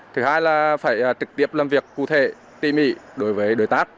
thứ hai là phải trực tiếp làm việc cụ thể tỉ mỉ đối với đối tác